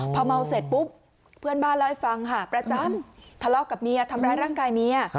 พอเมาเสร็จปุ๊บเพื่อนบ้านเล่าให้ฟังค่ะประจำทะเลาะกับเมียทำร้ายร่างกายเมีย